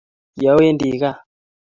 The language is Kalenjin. kiowendii kaa .